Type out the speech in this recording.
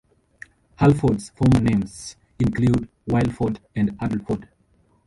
Hurlford's former names include Whirlford and Hurdleford.